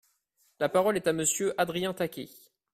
La parole est à Monsieur Adrien Taquet.